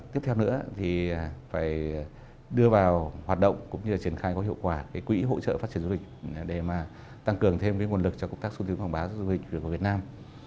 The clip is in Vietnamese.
tiếp theo nữa thì phải đưa vào hoạt động cũng như là triển khai có hiệu quả quỹ hỗ trợ phát triển du lịch để mà tăng cường thêm cái nguồn lực cho công tác xúc tiến quảng bá du lịch của việt nam